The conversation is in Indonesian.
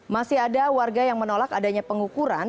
masih ada warga yang menolak adanya pengukuran